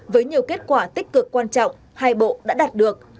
với nhiều kết quả tích cực quan trọng hai bộ đã đạt được